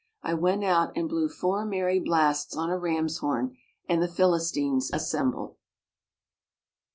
I went out and blew four merry blasts on a ram's horn, and the Philistines assembled.